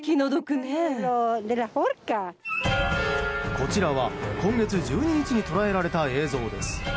こちらは今月１２日に捉えられた映像です。